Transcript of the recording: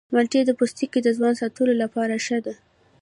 مالټې د پوستکي د ځوان ساتلو لپاره ښه دي.